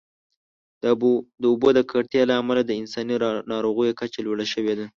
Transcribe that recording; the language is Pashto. د اوبو د ککړتیا له امله د انساني ناروغیو کچه لوړه شوې ده.